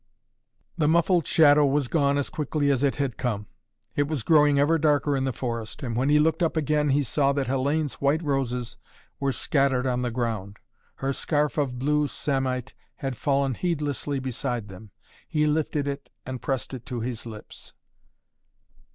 The muffled shadow was gone as quickly as it had come. It was growing ever darker in the forest, and when he looked up again he saw that Hellayne's white roses were scattered on the ground. Her scarf of blue samite had fallen heedlessly beside them. He lifted it and pressed it to his lips.